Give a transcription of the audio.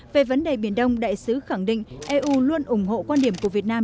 về vấn đề biển đông đại sứ khẳng định eu luôn ủng hộ quan điểm của việt nam